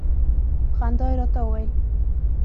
په خندا يې راته وویل.